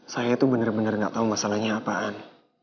saya tuh bener bener enggak tahu masalahnya apaan